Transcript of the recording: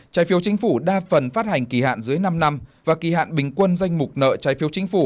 trái phiếu chính phủ đa phần phát hành kỳ hạn dưới năm năm và kỳ hạn bình quân danh mục nợ trái phiếu chính phủ